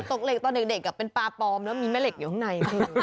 ตกเหล็กตอนเด็กเป็นปลาปลอมแล้วมีแม่เหล็กอยู่ข้างใน